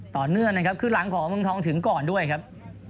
ต่อเนื่องนะครับคือหลังของเมืองทองถึงก่อนด้วยครับ